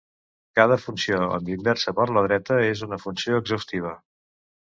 Cada funció amb inversa per la dreta és una funció exhaustiva.